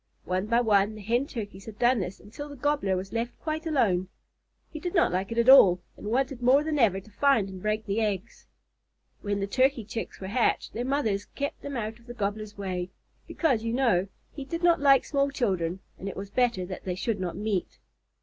One by one the Hen Turkeys had done this until the Gobbler was left quite alone. He did not like it at all, and wanted more than ever to find and break the eggs. When the Turkey Chicks were hatched, their mothers kept them out of the Gobbler's way, because, you know, he did not like small children and it was better that they should not meet.